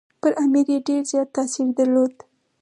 پر امیر یې ډېر زیات تاثیر درلود.